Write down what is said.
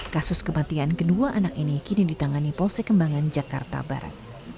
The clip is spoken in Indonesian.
kasus kematian kedua anak ini kini ditangani polsek kembangan jakarta barat